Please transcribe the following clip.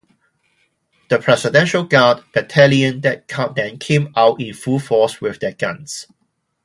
The Presidential Guard Battalion then came out in full force with their guns.